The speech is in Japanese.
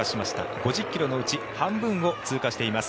５０ｋｍのうち半分を通過しています。